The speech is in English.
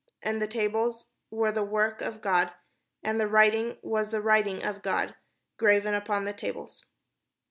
And the tables were the work of God, and the writing was the writing of God, graven upon the tables.